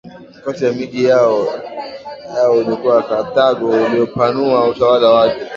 kati ya miji yao ulikuwa Karthago uliopanua utawala wake